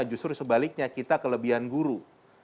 justru sebaliknya kita kelebihan guru